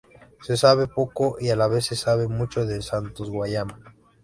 Se sabe poco y a la vez se sabe mucho de Santos Guayama.